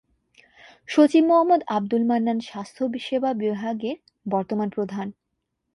সচিব মোহাম্মদ আবদুল মান্নান স্বাস্থ্য সেবা বিভাগের বর্তমান প্রধান।